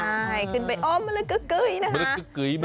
ใช่ขึ้นไปอ้อมละละเก๊ยนะคะ